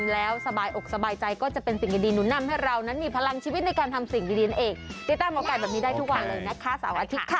แล้วพบกันใหม่นะคะสวัสดีค่ะ